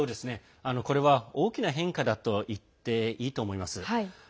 これは大きな変化だと言っていいと思います。